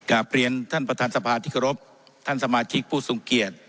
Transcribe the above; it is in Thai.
กาเปลี่ยนท่านประธานสภาทิกรพท่านสมาชิกผู้ทรงเกียจ